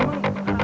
ini buat lo